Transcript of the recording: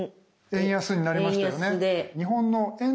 円安になりましたよね。